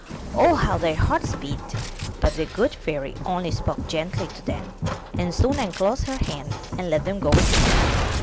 O, how their hearts beat ! but the good fairy only spoke gently to them, and soon unclosed her hand and let them go again.